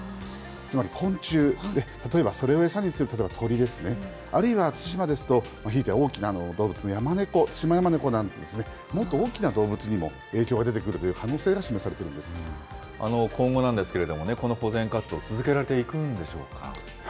つまり昆虫、例えばそれを餌にする、例えば鳥ですね、あるいは対馬ですと、ひいては大きな動物、ヤマネコ、ツシマヤマネコなんてですね、もっと大きな動物にも影響が出てくるという可能性が示さ今後なんですけれどもね、この保全活動続けられていくんでしょうか。